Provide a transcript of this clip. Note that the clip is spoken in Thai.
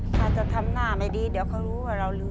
ถ้าจะทำหน้าไม่ดีเดี๋ยวเขารู้ว่าเรารู้